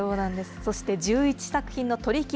そして１１作品の取り引き